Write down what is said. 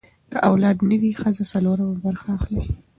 که اولاد نه وي، ښځه څلورمه برخه لري.